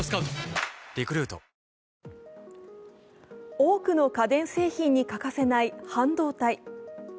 多くの家電製品に欠かせない半導体。